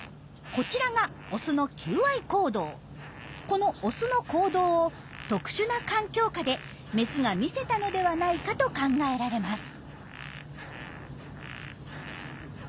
このオスの行動を特殊な環境下でメスが見せたのではないかと考えられます。